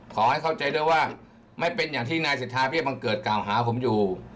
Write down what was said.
ขอให้เข้าใจด้วยว่าไม่เป็นอย่างที่นายสิทธาเบี้บังเกิดกล่าวหาผมอยู่